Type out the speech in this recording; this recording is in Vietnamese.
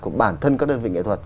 của bản thân các đơn vị nghệ thuật